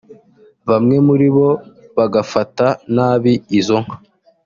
bamwe muri bo bagafata nabi izo nka